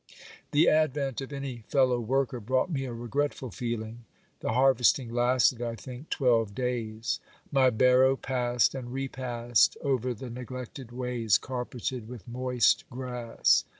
The advent of any fellow worker brought me a regretful feeling. The harvest ing lasted, I think, twelve days. My barrow passed and repassed over the neglected ways carpeted with moist grass.